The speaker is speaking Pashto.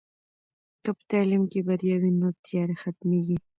که په تعلیم کې بریا وي، نو تیاره ختمېږي.